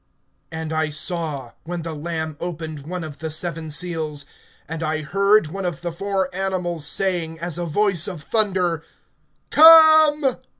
AND I saw, when the Lamb opened one of the seven seals, and I heard one of the four animals saying, as a voice of thunder: Come!